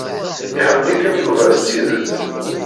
Iḥemmel-ikem Yuba s tidet.